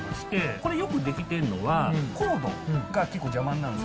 これよくできてんのは、コードが、結構邪魔になるんです。